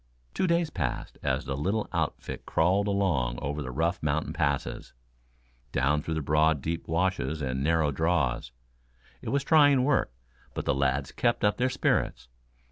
Two days passed as the little outfit crawled along over the rough mountain passes, down through broad deep washes and narrow draws. It was trying work, but the lads kept up their spirits.